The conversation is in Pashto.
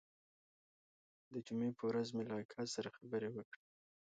د جمعې پر ورځ مې له اکا سره خبرې وکړې.